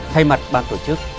thay mặt bản tổ chức